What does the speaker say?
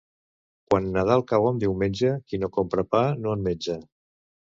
Quan Nadal cau en diumenge, qui no compra pa no en menja.